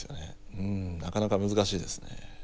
うんなかなか難しいですね。